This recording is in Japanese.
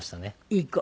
いい子！